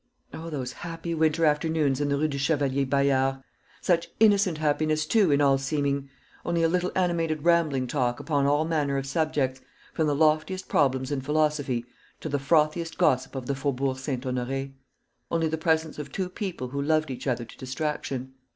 O those happy winter afternoons in the Rue du Chevalier Bayard! Such innocent happiness, too, in all seeming only a little animated rambling talk upon all manner of subjects, from the loftiest problems in philosophy to the frothiest gossip of the Faubourg St. Honoré; only the presence of two people who loved each other to distraction.